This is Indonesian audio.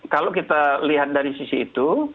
kalau kita lihat dari sisi itu